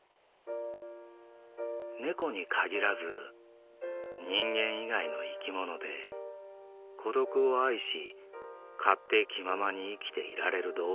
猫に限らず人間以外の生き物で孤独を愛し勝手気ままに生きていられる動物はいない。